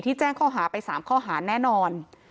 แจ้งข้อหาไป๓ข้อหาแน่นอน